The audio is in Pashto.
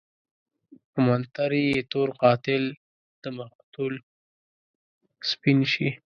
په منتر يې تور قاتل دمقتل سپين شي